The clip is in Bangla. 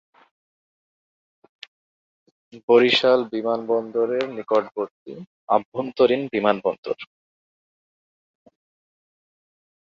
বরিশাল বিমানবন্দর এর নিকটবর্তী আভ্যন্তরীণ বিমানবন্দর।